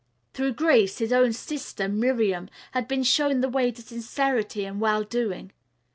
Through Grace, his own sister, Miriam had been shown the way to sincerity and well doing.